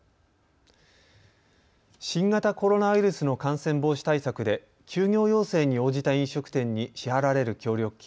新型コロナウイルスの感染防止対策で休業要請に応じた飲食店に支払われる協力金